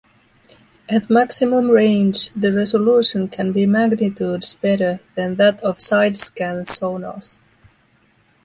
At maximum range the resolution can be magnitudes better than that of side-scan sonars.